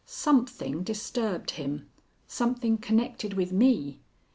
Something disturbed him, something connected with me.